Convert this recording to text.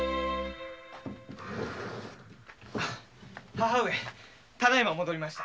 母上ただいま戻りました。